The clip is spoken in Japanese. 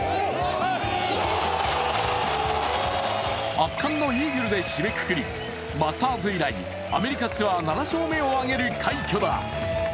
圧巻のイーグルで締めくくりマスターズ以来、アメリカツアー７勝目を挙げる快挙だ。